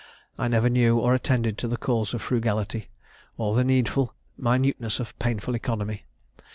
I never knew or attended to the calls of frugality, or the needful minuteness of painful economy.